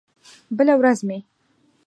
بله ورځ مې